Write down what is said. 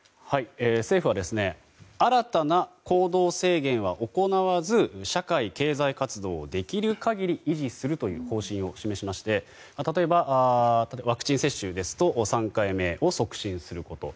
政府は新たな行動制限は行わず、社会経済活動をできる限り維持するという方針を示しまして例えば、ワクチン接種ですと３回目を促進すること。